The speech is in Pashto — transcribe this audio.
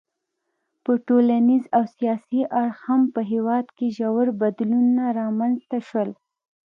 له ټولنیز او سیاسي اړخه هم په هېواد کې ژور بدلونونه رامنځته شول.